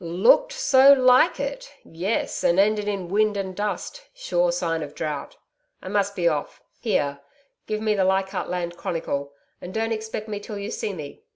'LOOKED so like it! Yes, and ended in wind and dust. Sure sign of drought! I must be off.... Here, give me the LEICHARDT LAND CHRONICLE, and don't expect me till you see me....